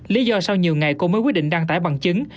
lý do sau nhiều ngày cô mới quyết định đăng tải bằng chứng